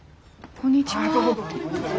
こんにちは。